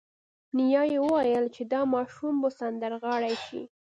نیا یې وویل چې دا ماشوم به سندرغاړی شي